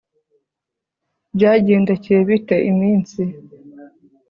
byagendekeye bite iminsi